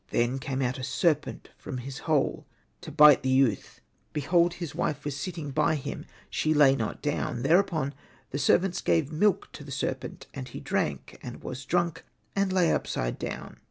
Then came out a serpent from his hole, to bite the youth ; behold his wife THE BOWL OF MILK was sitting by him, she lay not down. Thereupon the servants gave milk to the serpent, and he drank, and was drunk, and lay upside down.